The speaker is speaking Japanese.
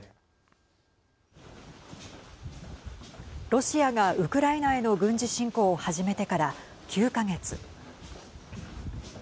ロシアがウクライナへの軍事侵攻を始めてから９か月。